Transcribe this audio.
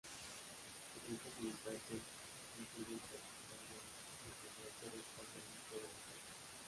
El grupo militante con sede en Pakistán Jaish-e-Mohammed se responsabilizó del ataque.